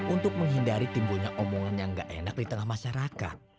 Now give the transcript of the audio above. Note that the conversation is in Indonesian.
untuk menghindari timbulnya omongan yang gak enak di tengah masyarakat